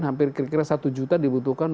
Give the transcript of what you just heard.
hampir kira kira satu juta dibutuhkan